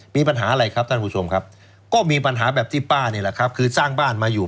มีปัญหาอะไรครับท่านผู้ชมมีปัญหาแบบที่ป้าคือสร้างบ้านมาอยู่